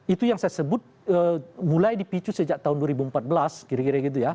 itu yang saya sebut mulai dipicu sejak tahun dua ribu empat belas kira kira gitu ya